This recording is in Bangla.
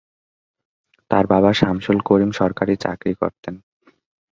তার বাবা শামসুল করিম সরকারি চাকরি করতেন।